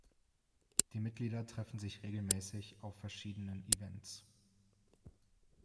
Die Mitglieder treffen sich regelmäßig auf verschiedenen Events.